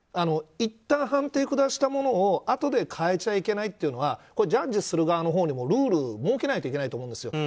いったん、判定下したものをあとで変えちゃいけないというのはジャッジする側にもルールを設けないといけないと思うんです。